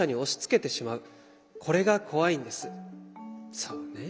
そうね。